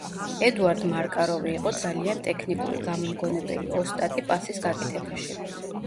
ედუარდ მარკაროვი იყო ძალიან ტექნიკური, გამომგონებელი, ოსტატი პასის გაკეთებაში.